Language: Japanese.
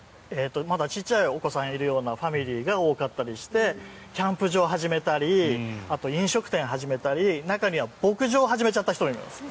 まだ小さいお子さんがいるようなファミリーが多かったりしてキャンプ場を始めたりあとは飲食店を始めたり中には牧場を始めちゃった人がいます。